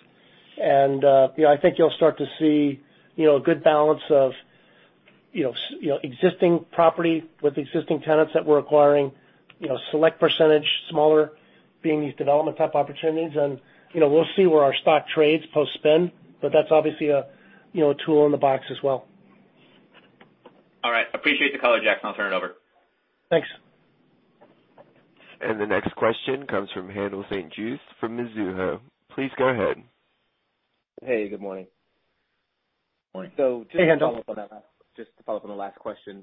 and I think you'll start to see a good balance of existing property with existing tenants that we're acquiring, select percentage, smaller being these development type opportunities, and we'll see where our stock trades post-spin, but that's obviously a tool in the box as well. All right. Appreciate the color, Jackson. I'll turn it over. Thanks. The next question comes from Haendel St. Juste from Mizuho. Please go ahead. Hey, good morning. Morning. Hey, Haendel. Just to follow up on the last question.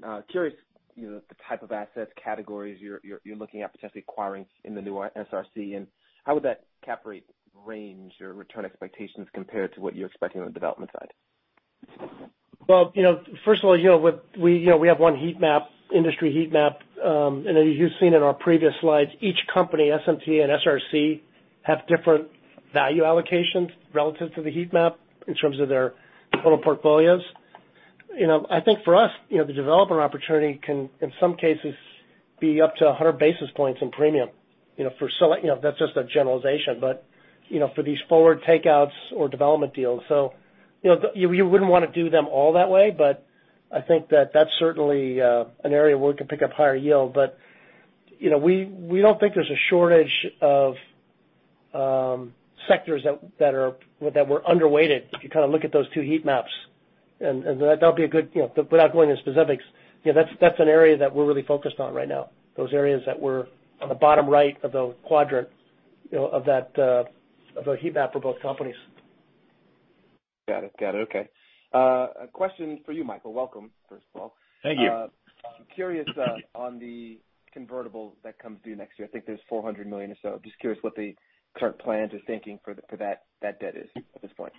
Curious the type of assets categories you're looking at potentially acquiring in the new SRC, and how would that cap rate range or return expectations compared to what you're expecting on the development side? Well, first of all, we have one heat map, industry heat map. As you've seen in our previous slides, each company, SMTA and SRC, have different value allocations relative to the heat map in terms of their total portfolios. I think for us, the developer opportunity can, in some cases, be up to 100 basis points in premium. That's just a generalization. For these forward takeouts or development deals. You wouldn't want to do them all that way, but I think that's certainly an area where we could pick up higher yield. We don't think there's a shortage of sectors that were underweighted. If you kind of look at those two heat maps, without going into specifics, that's an area that we're really focused on right now. Those areas that were on the bottom right of the quadrant of that heat map of both companies. Got it. Okay. A question for you, Michael. Welcome, first of all. Thank you. Curious on the convertible that comes due next year. I think there's $400 million or so. Just curious what the current plans or thinking for that debt is at this point.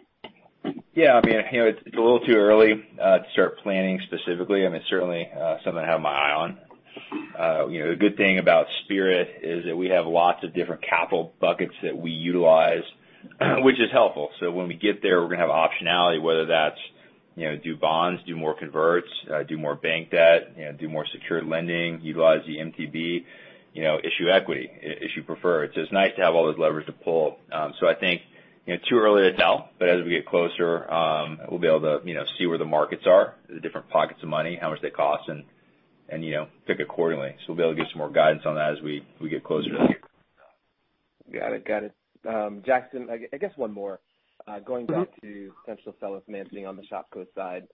Yeah. It's a little too early to start planning specifically. I mean, it's certainly something I have my eye on. A good thing about Spirit is that we have lots of different capital buckets that we utilize, which is helpful. When we get there, we're going to have optionality, whether that's do bonds, do more converts, do more bank debt, do more secured lending, utilize the MTB, issue equity, issue preferred. It's nice to have all those levers to pull. I think, too early to tell, but as we get closer, we'll be able to see where the markets are, the different pockets of money, how much they cost, and pick accordingly. We'll be able to give some more guidance on that as we get closer to the year. Got it. Jackson, I guess one more. Going back to potential seller financing on the Shopko side.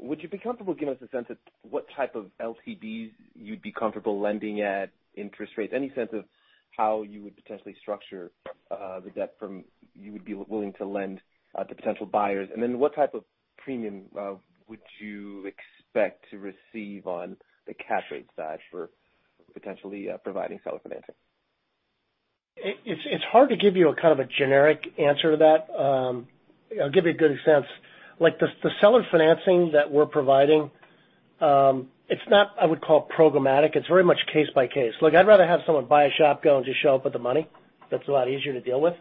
Would you be comfortable giving us a sense of what type of LTVs you'd be comfortable lending at interest rates? Any sense of how you would potentially structure the debt you would be willing to lend to potential buyers? What type of premium would you expect to receive on the cap rate side for potentially providing seller financing? It's hard to give you a kind of a generic answer to that. I'll give you a good sense. Like the seller financing that we're providing, it's not I would call programmatic. It's very much case by case. Like, I'd rather have someone buy a Shopko and just show up with the money. That's a lot easier to deal with.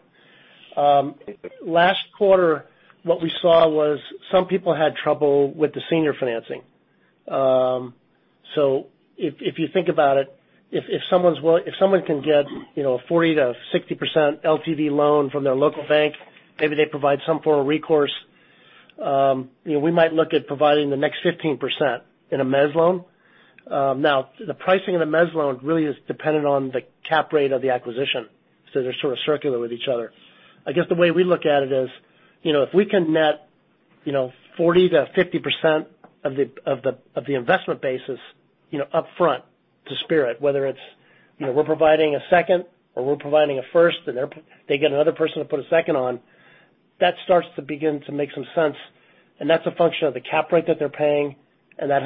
Last quarter, what we saw was some people had trouble with the senior financing. If you think about it, if someone can get a 40%-60% LTV loan from their local bank, maybe they provide some form of recourse, we might look at providing the next 15% in a mezz loan. The pricing of the mezz loan really is dependent on the cap rate of the acquisition. They're sort of circular with each other. I guess the way we look at it is, if we can net 40%-50% of the investment basis upfront to Spirit, whether it's we're providing a second or we're providing a first, and they get another person to put a second on, that starts to begin to make some sense. That's a function of the cap rate that they're paying. That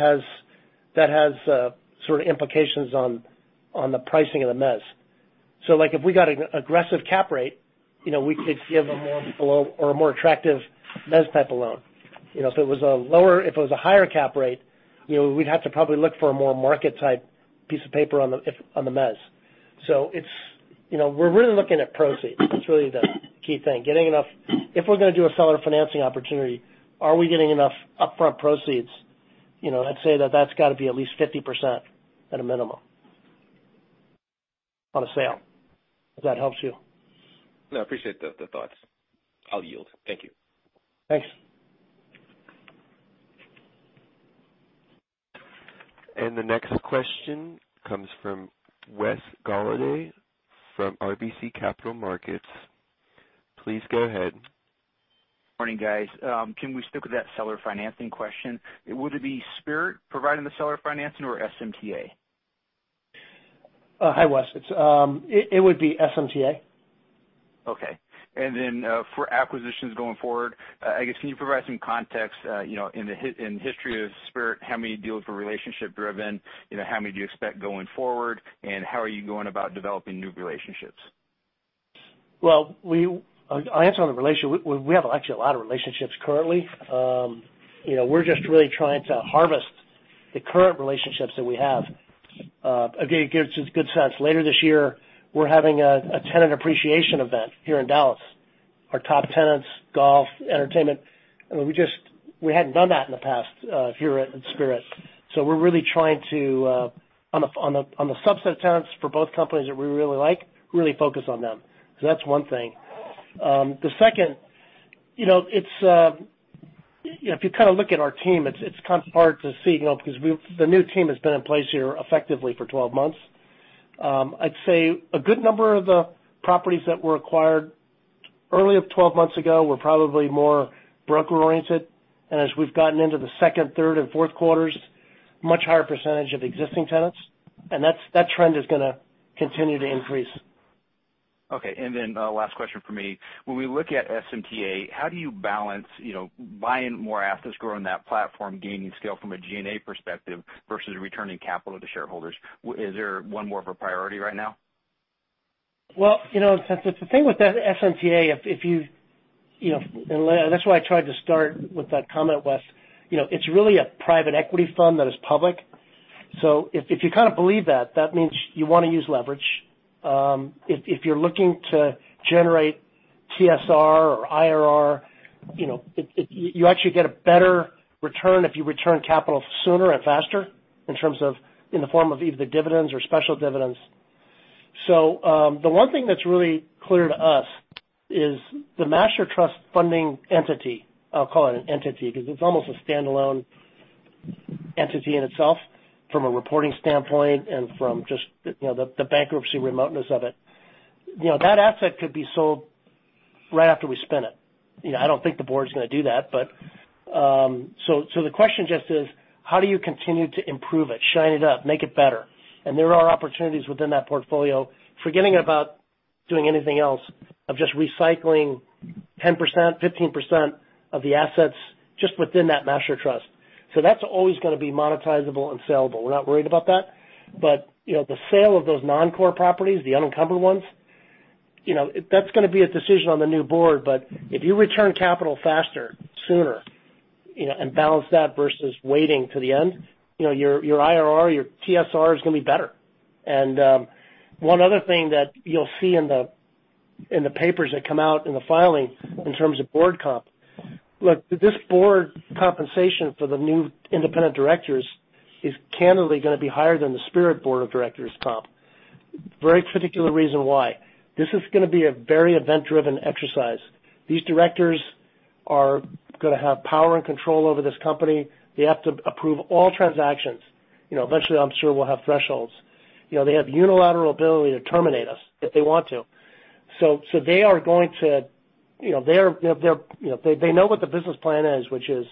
has sort of implications on the pricing of the mezz. If we got an aggressive cap rate, we could give a more below or a more attractive mezz-type of loan. If it was a higher cap rate, we'd have to probably look for a more market type piece of paper on the mezz. We're really looking at proceeds. That's really the key thing. If we're going to do a seller financing opportunity, are we getting enough upfront proceeds? I'd say that that's got to be at least 50% at a minimum on a sale, if that helps you. No, I appreciate the thoughts. I'll yield. Thank you. Thanks. The next question comes from Wes Golladay from RBC Capital Markets. Please go ahead. Morning, guys. Can we stick with that seller financing question? Would it be Spirit providing the seller financing or SMTA? Hi, Wes. It would be SMTA. Okay. Then, for acquisitions going forward, I guess, can you provide some context, in the history of Spirit, how many deals were relationship-driven, how many do you expect going forward, and how are you going about developing new relationships? Well, I'll answer on the relationships. We have actually a lot of relationships currently. We're just really trying to harvest the current relationships that we have. To give you good sense, later this year, we're having a tenant appreciation event here in Dallas. Our top tenants, golf, entertainment. We hadn't done that in the past here at Spirit. We're really trying to, on the subset of tenants for both companies that we really like, really focus on them. That's one thing. The second, if you look at our team, it's kind of hard to see because the new team has been in place here effectively for 12 months. I'd say a good number of the properties that were acquired early of 12 months ago were probably more broker-oriented. As we've gotten into the second, third, and fourth quarters, much higher percentage of existing tenants. That trend is going to continue to increase. Okay. Then last question from me. When we look at SMTA, how do you balance buying more assets, growing that platform, gaining scale from a G&A perspective versus returning capital to shareholders? Is there one more of a priority right now? The thing with SMTA, that's why I tried to start with that comment, Wes. It's really a private equity fund that is public. If you kind of believe that means you want to use leverage. If you're looking to generate TSR or IRR, you actually get a better return if you return capital sooner and faster in terms of, in the form of either the dividends or special dividends. The one thing that's really clear to us is the Master Trust funding entity. I'll call it an entity because it's almost a standalone entity in itself from a reporting standpoint and from just the bankruptcy remoteness of it. That asset could be sold right after we spin it. I don't think the board's going to do that, the question just is, how do you continue to improve it, shine it up, make it better? There are opportunities within that portfolio, forgetting about doing anything else, of just recycling 10%-15% of the assets just within that Master Trust. That's always going to be monetizable and sellable. We're not worried about that. The sale of those non-core properties, the unencumbered ones, that's going to be a decision on the new board. If you return capital faster, sooner, and balance that versus waiting to the end, your IRR, your TSR is going to be better. One other thing that you'll see in the papers that come out in the filing in terms of board comp. Look, this board compensation for the new independent directors is candidly going to be higher than the Spirit board of directors comp. Very particular reason why. This is going to be a very event-driven exercise. These directors are going to have power and control over this company. They have to approve all transactions. Eventually, I'm sure we'll have thresholds. They have unilateral ability to terminate us if they want to. They know what the business plan is, which is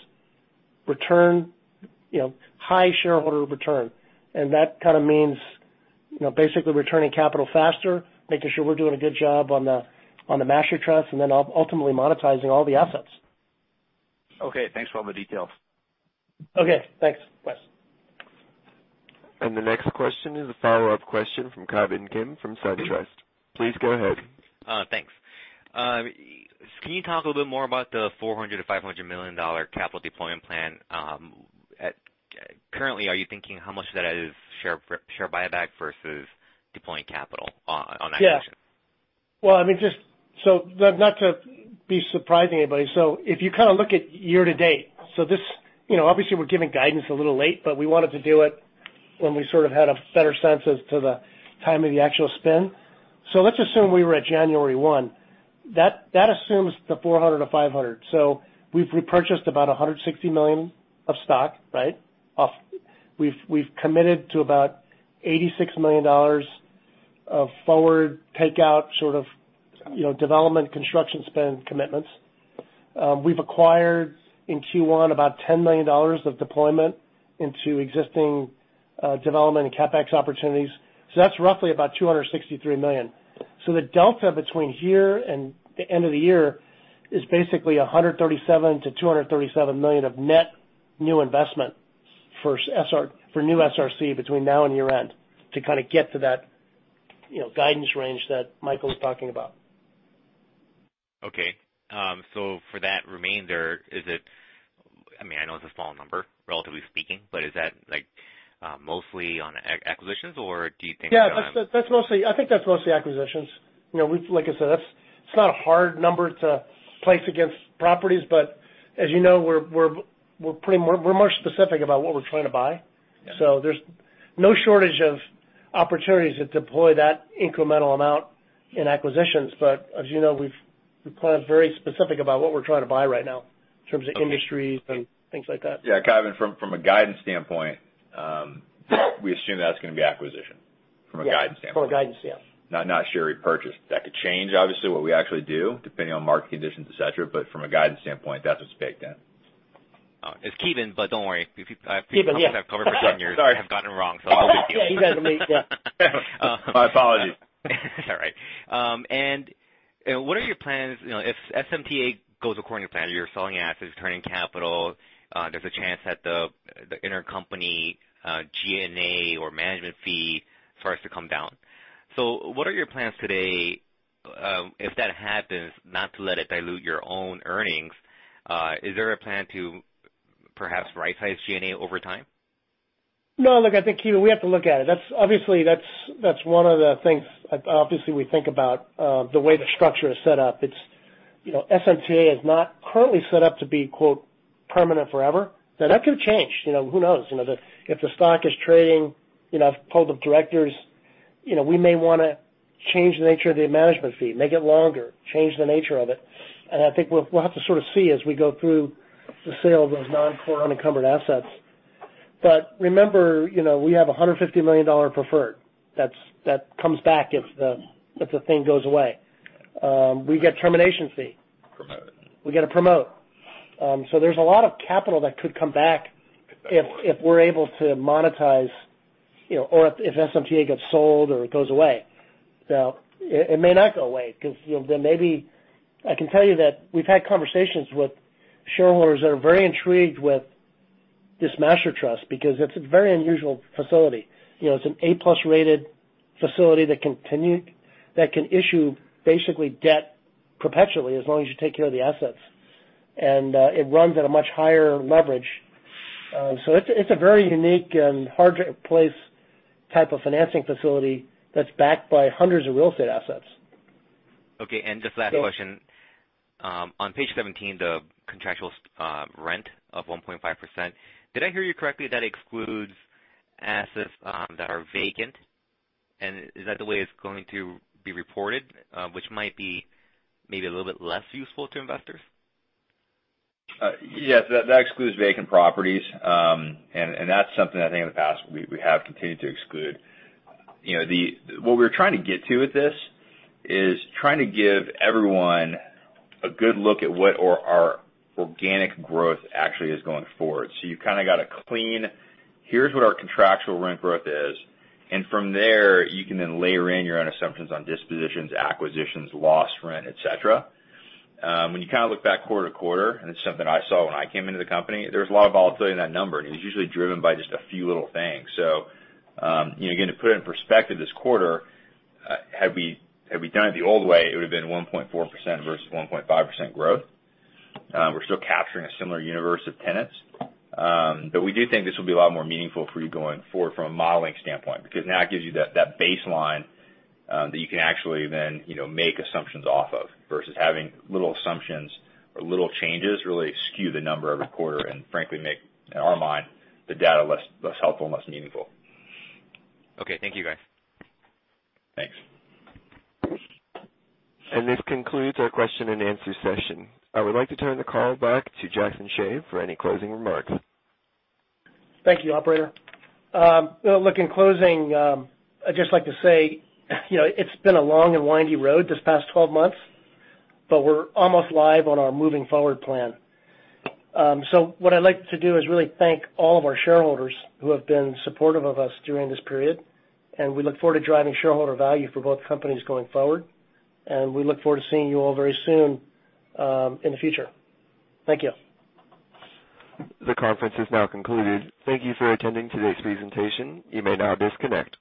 high shareholder return. That kind of means basically returning capital faster, making sure we're doing a good job on the master trust, and then ultimately monetizing all the assets. Okay. Thanks for all the details. Okay. Thanks, Wes. The next question is a follow-up question from Ki Bin Kim from SunTrust. Please go ahead. Thanks. Can you talk a little bit more about the $400 million-$500 million capital deployment plan? Currently, are you thinking how much of that is share buyback versus deploying capital on that question? Not to be surprising anybody. If you look at year-to-date, obviously we're giving guidance a little late, but we wanted to do it when we had a better sense as to the time of the actual spin. Let's assume we were at January 1. That assumes the 400 to 500. We've repurchased about $160 million of stock, right? We've committed to about $86 million of forward takeout, sort of development, construction spend commitments. We've acquired in Q1 about $10 million of deployment into existing development and CapEx opportunities. That's roughly about $263 million. The delta between here and the end of the year is basically $137 million-$237 million of net new investment for new SRC between now and year-end to kind of get to that guidance range that Michael was talking about. Okay. For that remainder, I know it's a small number, relatively speaking, but is that mostly on acquisitions, or do you think? Yeah, I think that's mostly acquisitions. Like I said, it's not a hard number to place against properties, but as you know, we're more specific about what we're trying to buy. Yeah. There's no shortage of opportunities to deploy that incremental amount in acquisitions. As you know, we plan on being very specific about what we're trying to buy right now in terms of industries and things like that. Yeah. Ki Bin, from a guidance standpoint, we assume that's going to be acquisition. From a guidance standpoint. From a guidance, yeah. Not share repurchase. That could change, obviously, what we actually do, depending on market conditions, et cetera. From a guidance standpoint, that's what's baked in. It's Ki Bin, but don't worry. Ki Bin, yeah. Sorry. People I've covered for 10 years have gotten it wrong, so I'll get used to it. You guys are amazing, yeah. My apologies. It's all right. What are your plans if SMTA goes according to plan? You're selling assets, returning capital. There's a chance that the intercompany G&A or management fee starts to come down. What are your plans today, if that happens, not to let it dilute your own earnings? Is there a plan to perhaps right-size G&A over time? No, look, I think, Ki Bin, we have to look at it. That's one of the things, obviously, we think about, the way the structure is set up. SMTA is not currently set up to be, quote, permanent forever. Now, that could change. Who knows? If the stock is trading, I've told the directors we may want to change the nature of the management fee, make it longer, change the nature of it. I think we'll have to sort of see as we go through the sale of those non-core unencumbered assets. Remember, we have $150 million preferred that comes back if the thing goes away. We get termination fee. Promote. We get a promote. There's a lot of capital that could come back if we're able to monetize or if SMTA gets sold or it goes away. It may not go away, because I can tell you that we've had conversations with shareholders that are very intrigued with this master trust because it's a very unusual facility. It's an A-plus-rated facility that can issue basically debt perpetually as long as you take care of the assets. It runs at a much higher leverage. It's a very unique and hard-to-place type of financing facility that's backed by hundreds of real estate assets. Okay, just last question. On page 17, the contractual rent of 1.5%, did I hear you correctly that excludes assets that are vacant? Is that the way it's going to be reported? Which might be maybe a little bit less useful to investors? Yes, that excludes vacant properties. That's something I think in the past we have continued to exclude. What we're trying to get to with this is trying to give everyone a good look at what our organic growth actually is going forward. You kind of got a clean, here's what our contractual rent growth is, from there, you can then layer in your own assumptions on dispositions, acquisitions, lost rent, et cetera. When you kind of look back quarter-to-quarter, it's something I saw when I came into the company, there's a lot of volatility in that number, it's usually driven by just a few little things. Again, to put it in perspective, this quarter, had we done it the old way, it would've been 1.4% versus 1.5% growth. We're still capturing a similar universe of tenants. We do think this will be a lot more meaningful for you going forward from a modeling standpoint, because now it gives you that baseline that you can actually then make assumptions off of, versus having little assumptions or little changes really skew the number every quarter and frankly make, in our mind, the data less helpful and less meaningful. Okay. Thank you, guys. Thanks. This concludes our question-and-answer session. I would like to turn the call back to Jackson Hsieh for any closing remarks. Thank you, operator. Look, in closing, I'd just like to say it's been a long and windy road this past 12 months, we're almost live on our Path Forward plan. What I'd like to do is really thank all of our shareholders who have been supportive of us during this period, and we look forward to driving shareholder value for both companies going forward. We look forward to seeing you all very soon in the future. Thank you. The conference is now concluded. Thank you for attending today's presentation. You may now disconnect.